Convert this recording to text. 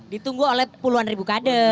ditunggu oleh puluhan ribu kader